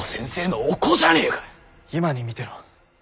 今に見てろ。